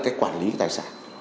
cái quản lý tài sản